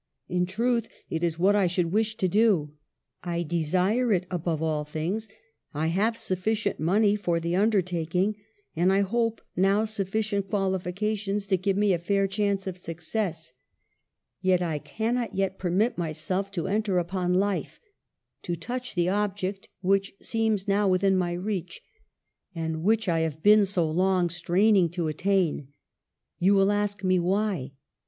In truth it is what I should wish to do. I desire it above all things, I have sufficient money for the undertaking, and I hope now sufficient qualifications to give me a fair chance of success ; yet I cannot yet permit 146 EMILY BRONTE. myself to enter upon life — to touch the object which seems now within my reach, and which I have been so long straining to attain. You will ask me why